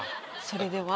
それでは。